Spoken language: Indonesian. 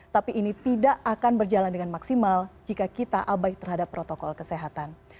tapi ini tidak akan berjalan dengan maksimal jika kita abai terhadap protokol kesehatan